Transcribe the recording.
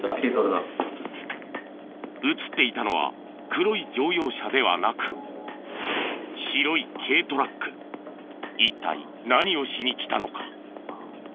映っていたのは黒い乗用車ではなく一体何をしに来たのか？